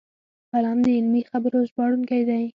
قلم د علمي خبرو ژباړونکی دی